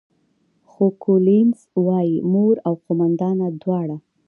خو کولینز وايي، مور او قوماندانه دواړه.